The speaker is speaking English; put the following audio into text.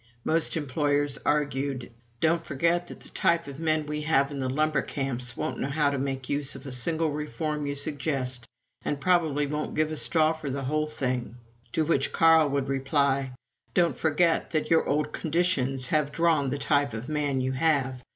Most employers argued: "Don't forget that the type of men we have in the lumber camps won't know how to make use of a single reform you suggest, and probably won't give a straw for the whole thing." To which Carl would reply: "Don't forget that your old conditions have drawn the type of man you have.